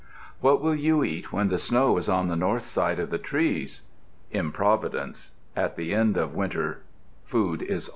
What will you eat when the snow is on the north side of the trees? Improvidence. At the end of winter food is always scarce.